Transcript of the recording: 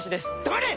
黙れ！